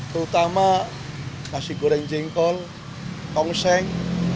terutama nasi goreng jengkol tongseng